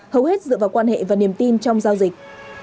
hầu hết dựa vào quan hệ và niềm tin trong giao dịch